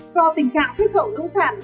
do tình trạng xuất khẩu nông sản